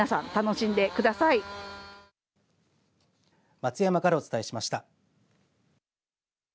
松山からお伝えしました。